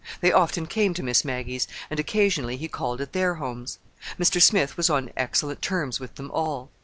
They often came to Miss Maggie's, and occasionally he called at their homes. Mr. Smith was on excellent terms with them all.